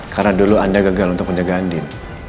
karena dulu anda gagal untuk menjaga andin